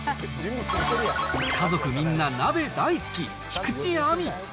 家族みんな、鍋大好き、菊地亜美。